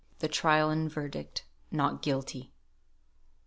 THE TRIAL AND VERDICT "NOT GUILTY."